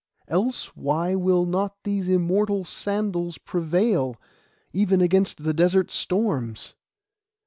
Else why will not these immortal sandals prevail, even against the desert storms?